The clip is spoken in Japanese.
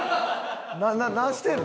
何してんの？